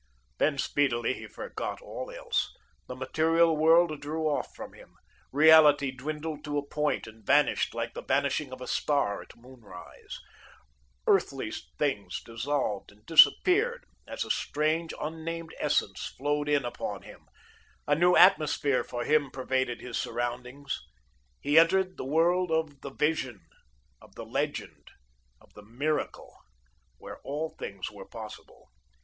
Then speedily he forgot all else. The material world drew off from him. Reality dwindled to a point and vanished like the vanishing of a star at moonrise. Earthly things dissolved and disappeared, as a strange, unnamed essence flowed in upon him. A new atmosphere for him pervaded his surroundings. He entered the world of the Vision, of the Legend, of the Miracle, where all things were possible.